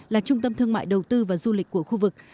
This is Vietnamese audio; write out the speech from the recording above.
là trung tâm thương mại đầu tư và du lịch của khu vực